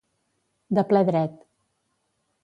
De ple dret.